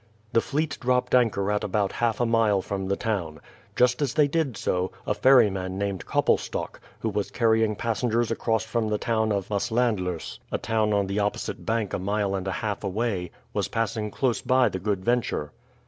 The fleet dropped anchor at about half a mile from the town. Just as they did so, a ferryman named Koppelstok, who was carrying passengers across from the town of Maaslandluis, a town on the opposite bank a mile and a half away, was passing close by the Good Venture.